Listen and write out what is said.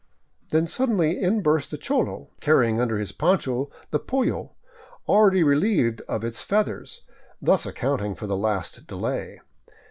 Then suddenly in burst the cholo, carrying under his poncho the polio, already relieved of its feathers, thus accounting for the last delay.